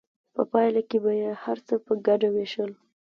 په پایله کې به یې هر څه په ګډه ویشل.